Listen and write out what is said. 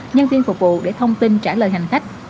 nhân viên phục vụ để thông tin trả lời hành khách